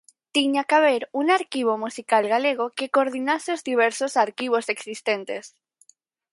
Tiña que haber un arquivo musical galego que coordinase os diversos arquivos existentes.